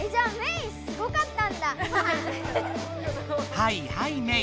はいはいメイ。